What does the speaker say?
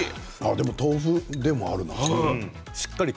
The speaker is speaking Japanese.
でも豆腐でもあるな。